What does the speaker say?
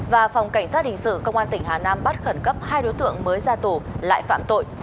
và phòng cảnh sát hình sự công an tỉnh hà nam bắt khẩn cấp hai đối tượng mới ra tù lại phạm tội